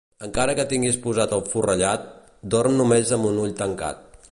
Encara que tinguis posat el forrellat, dorm només amb un ull tancat.